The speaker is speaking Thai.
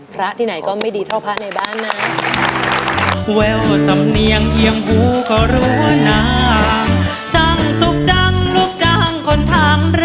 พระที่ไหนก็ไม่ดีเท่าพระในบ้านนะ